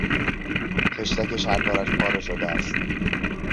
خشتک شلوارش پاره شده است.